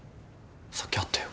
さっき会ったよ。